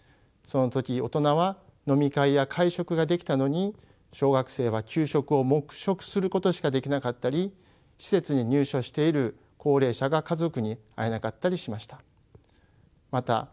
その時大人は飲み会や会食ができたのに小学生は給食を黙食することしかできなかったり施設に入所している高齢者が家族に会えなかったりしました。